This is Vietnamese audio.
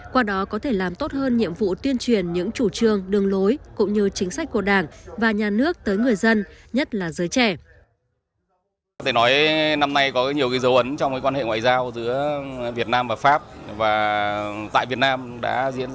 qua đó có thể làm tốt hơn nhiệm vụ tuyên truyền những chủ trương đường lối cũng như chính sách của đảng và nhà nước tới người dân nhất là giới trẻ